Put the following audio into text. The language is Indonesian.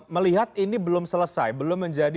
melihat ini belum selesai belum menjadi